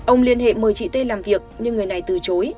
ông liên hệ mời chị t làm việc nhưng người này từ chối